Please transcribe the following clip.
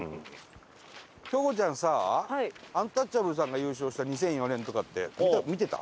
京子ちゃんさアンタッチャブルさんが優勝した２００４年とかって見てた？